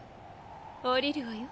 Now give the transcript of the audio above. おりるわよ。